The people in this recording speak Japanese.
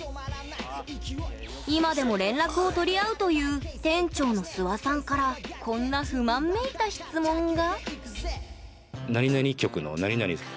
今でも連絡を取り合うという店長の諏訪さんからこんな不満めいた質問が。